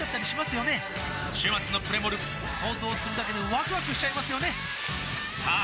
週末のプレモル想像するだけでワクワクしちゃいますよねさあ